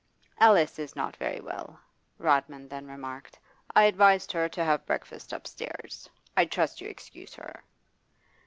'Alice is not very well,' Rodman then remarked. 'I advised her to have breakfast upstairs. I trust you excuse her?